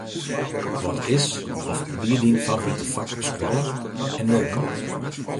Wat is of wie dyn favorite fak op skoalle en wêrom?